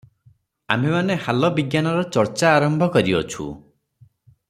ଆମ୍ଭେମାନେ ହାଲ ବିଜ୍ଞାନର ଚର୍ଚ୍ଚା ଆରମ୍ଭ କରିଅଛୁଁ ।